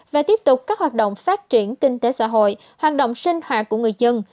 và tiếp tục các hoạt động phát triển kinh tế xã hội hoạt động sinh hoạt của người dân